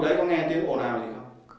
khu vực đấy có nghe tiếng ổn hào gì không